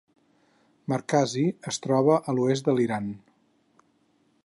Markazi es troba a l'oest de l'Iran.